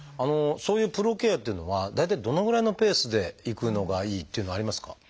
そういうプロケアというのは大体どのぐらいのペースで行くのがいいというのはありますか？